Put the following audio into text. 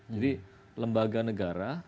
jadi lembaga negara